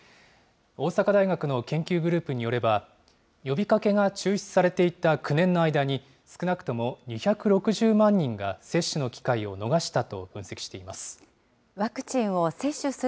大阪大学の研究グループによれば、呼びかけが中止されていた９年の間に、少なくとも２６０万人が接種の機会を逃したと分析しています。